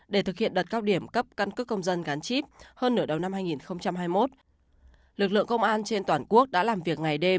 để thực hiện đợt cao điểm cấp căn cước công dân gắn chip hơn nửa đầu năm hai nghìn hai mươi một lực lượng công an trên toàn quốc đã làm việc ngày đêm